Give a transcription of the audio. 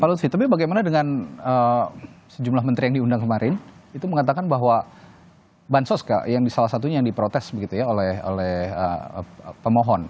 pak lutfi tapi bagaimana dengan sejumlah menteri yang diundang kemarin itu mengatakan bahwa bansos yang salah satunya yang diprotes begitu ya oleh pemohon